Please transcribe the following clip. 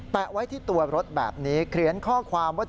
ไว้ที่ตัวรถแบบนี้เขียนข้อความว่า